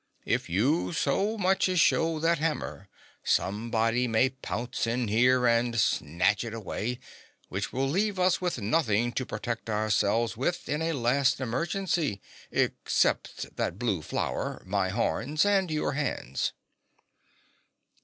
If you so much as show that hammer, somebody may pounce in here and snatch it away, which will leave us with nothing to protect ourselves with in a last emergency except that blue flower, my horns and your hands."